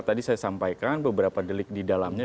tadi saya sampaikan beberapa delik di dalamnya